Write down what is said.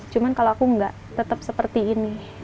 cuman kalau aku enggak tetep seperti ini